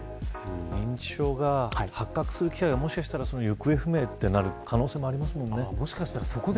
認知症が発覚する機会がもしかしたら行方不明となる可能性もありますもんね。